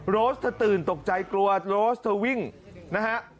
โรสเธอตื่นตกใจกลัวโรสเธอวิ่งนะฮะ